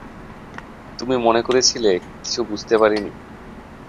তুমি মনে করেছিলে কিছু বুঝতে পারি নি?